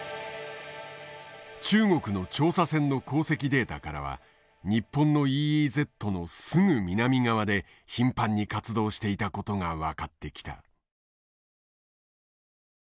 中国の調査船の航跡データからは日本のＥＥＺのすぐ南側で頻繁に活動していたことが分かってきた。